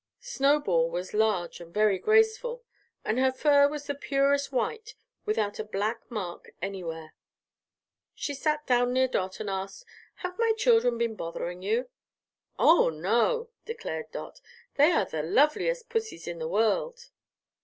Snowball was large and very graceful, and her fur was the purest white, without a black mark anywhere. She sat down near Dot and asked: "Have my children been bothering you?" "Oh, no!" declared Dot; "they are the loveliest pussys in the world."